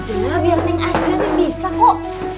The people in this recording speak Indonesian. udah lah biar neng aja neng bisa kok